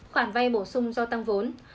khoản vay bổ sung do tăng vốn